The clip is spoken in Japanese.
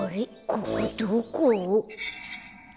ここどこ？